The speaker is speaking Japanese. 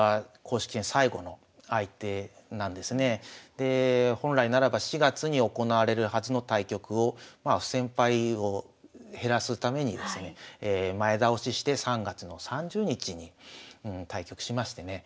で本来ならば４月に行われるはずの対局をまあ不戦敗を減らすためにですね前倒しして３月の３０日に対局しましてね